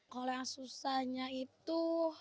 kalau yang susahnya itu